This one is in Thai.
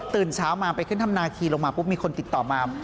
เช้ามาไปขึ้นทำนาคีลงมาปุ๊บมีคนติดต่อมา